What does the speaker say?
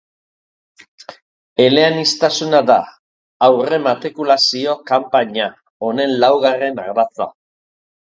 Eleaniztasuna da aurrematrikulazio kanpaina honen laugarren ardatza.